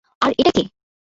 আর এটা কে?